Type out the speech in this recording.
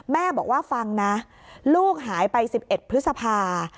แม่บอกว่าฟังนะลูกหายไป๑๑พฤษภา